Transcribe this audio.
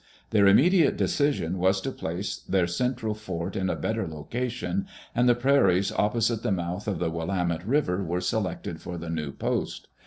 Their inunediate decision was to place their central fort in a better location, and the prairies opposite the mouth of the Willamette River were selected for the new post.